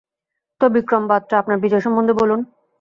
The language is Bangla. তো বিক্রম বাতরা, আপনার বিজয় সম্বন্ধে বলুন।